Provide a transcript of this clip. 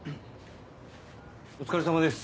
お疲れさまです。